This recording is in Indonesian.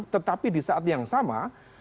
tetapi di saat yang sama